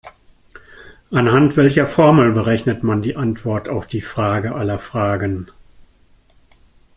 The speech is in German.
Anhand welcher Formel berechnet man die Antwort auf die Frage aller Fragen?